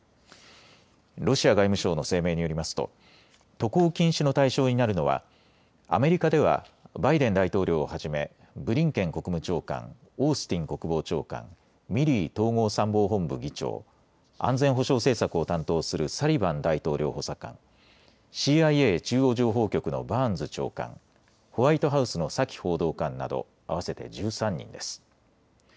ロシア外務省の声明によりますと渡航禁止の対象になるのはアメリカではバイデン大統領をはじめブリンケン国務長官、オースティン国防長官、ミリー統合参謀本部議長、安全保障政策を担当するサリバン大統領補佐官、ＣＩＡ・中央情報局のバーンズ長官、ホワイトハウスのサキ報道官など合わせて１３人です。